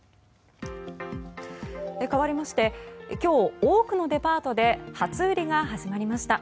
かわりまして今日多くのデパートで初売りが始まりました。